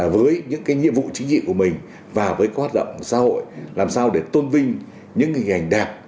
với những nhiệm vụ chính trị của mình và với hoạt động xã hội làm sao để tôn vinh những hình ảnh đẹp